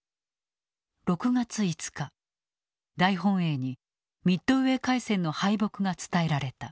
６月５日大本営にミッドウェー海戦の敗北が伝えられた。